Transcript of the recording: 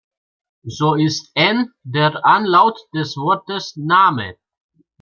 So ist „n“ der Anlaut des Wortes „n-a-m-e“.